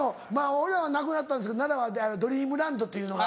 俺らはなくなったんですけど奈良ドリームランドというのが。